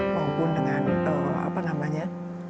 maupun dengan apa namanya